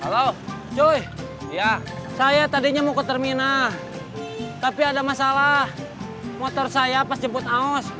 halo cuy iya saya tadinya mau ke termina tapi ada masalah motor saya pas jemput aos